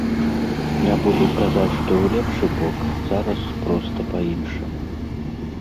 Не буду казаць, што ў лепшы бок, зараз проста па-іншаму.